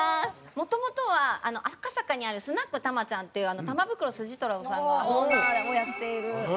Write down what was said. もともとは赤坂にあるスナック玉ちゃんっていう玉袋筋太郎さんがオーナーをやっているお店で。